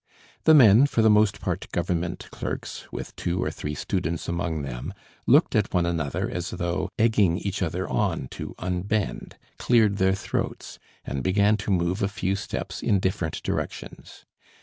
The men, for the most part government clerks, with two or three students among them, looked at one another as though egging each other on to unbend, cleared their throats, and began to move a few steps in different directions.